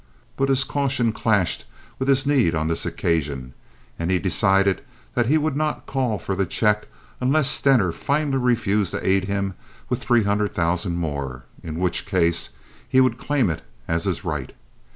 But his caution clashed with his need on this occasion, and he decided that he would not call for the check unless Stener finally refused to aid him with three hundred thousand more, in which case he would claim it as his right.